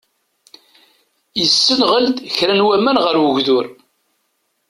Yessenɣel-d kra n waman ɣer ugdur.